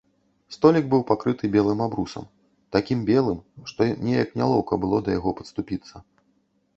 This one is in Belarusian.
Столік быў пакрыты белым абрусам, такім белым, што неяк нялоўка было да яго падступіцца.